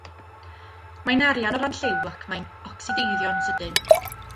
Mae'n arian o ran lliw ac mae'n ocsideiddio'n sydyn.